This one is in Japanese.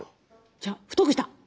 じゃ太くした。